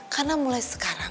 karena mulai sekarang